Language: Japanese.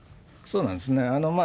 そうなんですね。